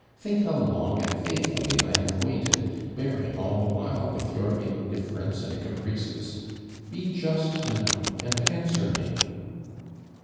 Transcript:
Think how long and faithfully I have waited, bearing all the while with your indifference and oa l)rices. Be just now and answer n\e."